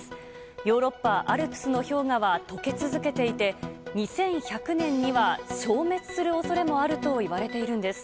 ヨーロッパ、アルプスの氷河はとけ続けていて、２１００年には消滅するおそれもあるといわれているんです。